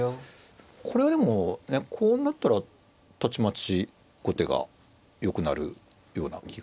これはでもねこうなったらたちまち後手がよくなるような気がしますね。